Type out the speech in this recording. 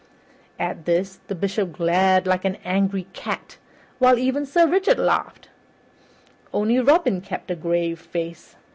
At this, the Bishop glared like an angry cat, while even Sir Richard laughed; only Robin kept a grave face.